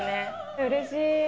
うれしい。